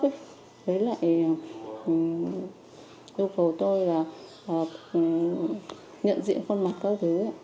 với lại yêu cầu tôi là nhận diện khuôn mặt các thứ